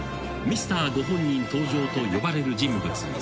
［ミスターご本人登場と呼ばれる人物が］